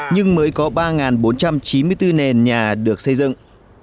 nhưng mới có ba bốn trăm chín mươi bốn nền nhà được xây dựng